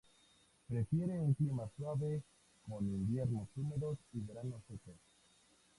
Prefiere un clima suave, con inviernos húmedos y veranos secos.